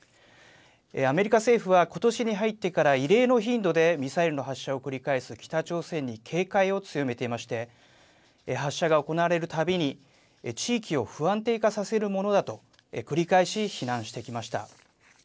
アメリカ政府はことしに入ってから異例の頻度でミサイルの発射を繰り返す北朝鮮に警戒を強めていまして、発射が行われるたびに、地域を不安定化させるものだと、繰り返し非難してきました。